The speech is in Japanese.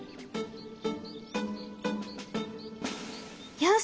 よし！